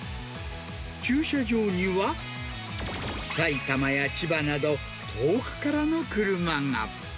駐車場には、埼玉や千葉など、遠くからの車が。